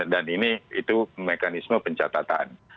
ini itu mekanisme pencatatan